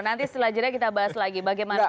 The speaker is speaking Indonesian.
nanti setelah jeda kita bahas lagi bagaimana